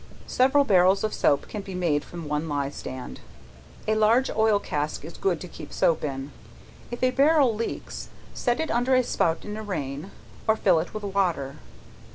Several barrels of soap can be made from one ley stand. A large oil cask is good to keep soap in. If a barrel leaks, set it under a spout in a rain, or fill it with water.